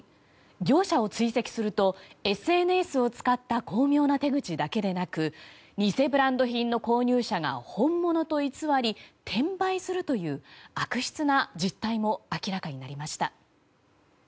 業者を追跡するとＳＮＳを使った巧妙な手口だけでなく偽ブランド品の購入者が本物と偽り転売するという悪質な実態も明らかになりました。